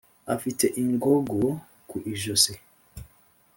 afite ingogo ku ijosi